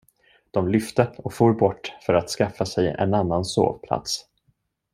De lyfte och for bort för att skaffa sig en annan sovplats.